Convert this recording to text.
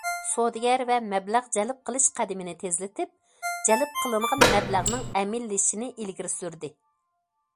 سودىگەر ۋە مەبلەغ جەلپ قىلىش قەدىمىنى تېزلىتىپ، جەلپ قىلىنغان مەبلەغنىڭ ئەمەلىيلىشىشىنى ئىلگىرى سۈردى.